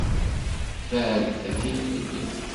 Beɛdet akkin fell-i.